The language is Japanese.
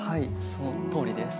そのとおりです。